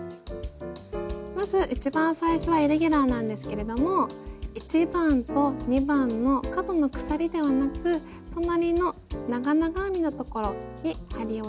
まず一番最初はイレギュラーなんですけれども１番と２番の角の鎖ではなく隣の長々編みのところに針を入れて引き抜きをしていきます。